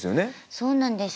そうなんです。